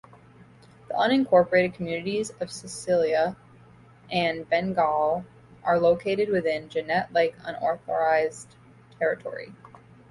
The unincorporated communities of Silica and Bengal are located within Janette Lake Unorganized Territory.